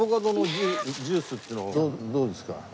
どうですか？